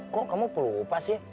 kok kamu pelupa sih